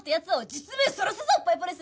実名さらすぞおっぱいポリス！